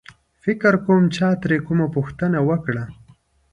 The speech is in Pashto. فکر کوم چا ترې کومه پوښتنه وکړه.